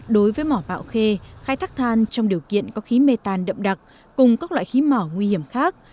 đối với mỏ bạo khê khai thác than trong điều kiện có khí mê tan đậm đặc cùng các loại khí mỏ nguy hiểm khác